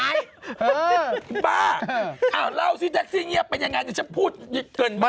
เออบ้าอ้าวเล่าสิแท็กซี่เงียบเป็นอย่างไรอยากจะพูดเกินมาก